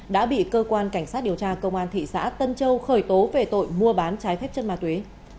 đã bị cơ quan cảnh sát điều tra công an thị xã tân châu khởi tố về tội mua bán trái phép chất ma túy